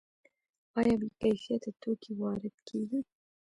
آیا بې کیفیته توکي وارد کیږي؟